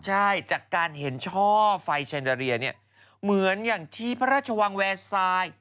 ใช่จากการเห็นช่อไฟแนนอเรียเนี่ยเหมือนอย่างที่พระราชวังแวร์ทราย